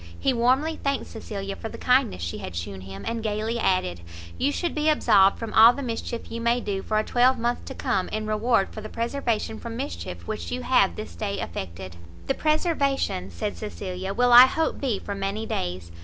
He warmly thanked Cecilia for the kindness she had shewn him, and gaily added, "You should be absolved from all the mischief you may do for a twelvemonth to come, in reward for the preservation from mischief which you have this day effected." "The preservation," said Cecilia, "will I hope be for many days.